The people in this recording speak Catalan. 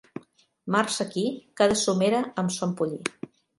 Març aquí, cada somera amb son pollí.